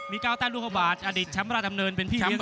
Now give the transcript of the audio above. มีเก้าแต้นลูกภาพออดีตแช็มลราชดำเนินเป็นพี่เลี้ยงด้วย